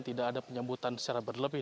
tidak ada penyambutan secara berlebih